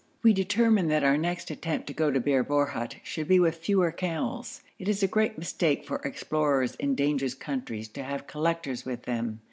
We determined that our next attempt to go to Bir Borhut should be with fewer camels. It is a great mistake for explorers in dangerous countries to have collectors with them.